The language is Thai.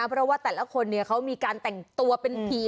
เพราะว่าแต่ละคนเขามีการแต่งตัวเป็นผี